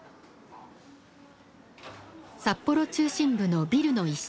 札幌中心部のビルの一室。